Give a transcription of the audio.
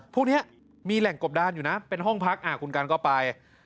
พวกนี้มีแหล่งกบดานอยู่นะเป็นห้องพักคุณกันก็ไป